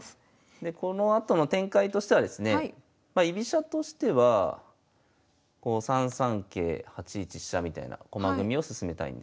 でこのあとの展開としてはですねま居飛車としてはこう３三桂８一飛車みたいな駒組みを進めたいんですね。